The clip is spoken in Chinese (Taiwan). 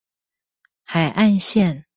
海岸線